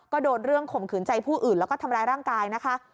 ก็โดนเรื่องข่มขืนใจผู้อื่นแล้วก็ทำร้ายร่างกายนะคะ